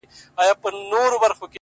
پر موږ همېش یاره صرف دا رحم جهان کړی دی!